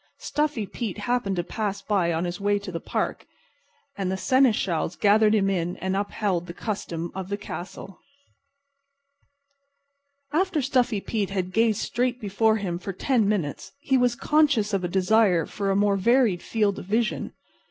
Stuffy Pete happened to pass by on his way to the park, and the seneschals gathered him in and upheld the custom of the castle. After Stuffy Pete had gazed straight before him for ten minutes he was conscious of a desire for a more varied field of vision.